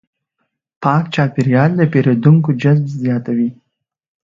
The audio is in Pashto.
پاک چاپېریال د پیرودونکو جذب زیاتوي.